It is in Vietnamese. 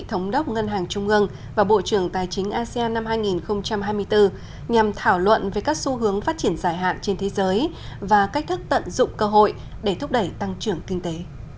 thống đốc ngân hàng trung ương và bộ trưởng tài chính asean năm hai nghìn hai mươi bốn nhằm thảo luận về các xu hướng phát triển dài hạn trên thế giới và cách thức tận dụng cơ hội để thúc đẩy tăng trưởng kinh tế